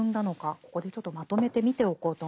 ここでちょっとまとめて見ておこうと思います。